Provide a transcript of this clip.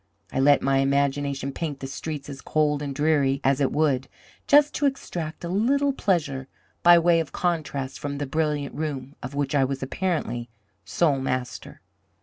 I let my imagination paint the streets as cold and dreary as it would, just to extract a little pleasure by way of contrast from the brilliant room of which I was apparently sole master.